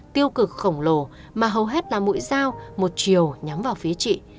tiêu cực khổng lồ mà hầu hết là mũi dao một chiều nhắm vào phía chị